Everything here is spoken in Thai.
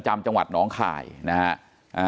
เป็นวันที่๑๕ธนวาคมแต่คุณผู้ชมค่ะกลายเป็นวันที่๑๕ธนวาคม